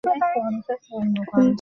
অন্তরের মিল ছিল খুব বেশি।